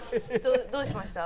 どうしました？